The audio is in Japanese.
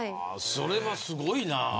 それはすごいな。